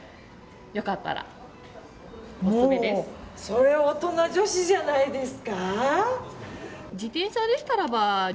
それは大人女子じゃないですか。